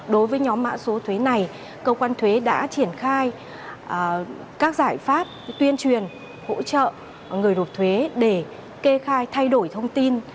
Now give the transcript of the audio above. đối với nhóm mã số thuế này cơ quan thuế đã triển khai các giải pháp tuyên truyền hỗ trợ người nộp thuế để kê khai thay đổi thông tin